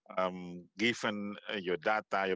berdasarkan data anda